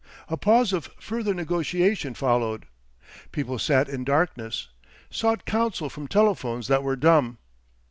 A pause of further negotiation followed. People sat in darkness, sought counsel from telephones that were dumb.